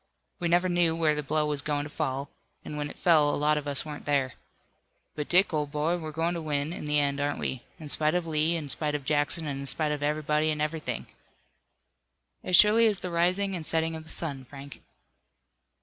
We never knew where the blow was going to fall, and when it fell a lot of us weren't there. But, Dick, old boy, we're going to win, in the end, aren't we, in spite of Lee, in spite of Jackson, and in spite of everybody and everything?" "As surely as the rising and setting of the sun, Frank."